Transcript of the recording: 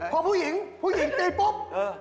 พอผู้หญิงผู้หญิงตีปุ๊บ